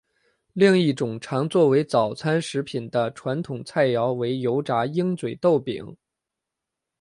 另一种常作为早餐食品的传统菜肴为油炸鹰嘴豆饼。